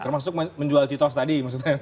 termasuk menjual citos tadi